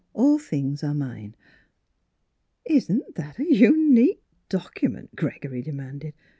All things are mine !" "Isn't that a unique document?" Gregory demanded.